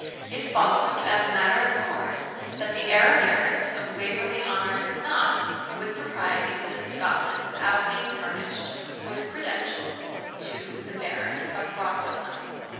It followed as a matter of course, that the heir apparent of Waverley Honour could not with propriety visit Scotland without being furnished with credentials to the Baron of Bradwardine.